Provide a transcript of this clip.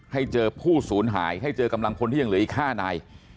ให้เจอผู้สูญหายให้เจอกำลังพลที่ยังเหลืออีก๕นาย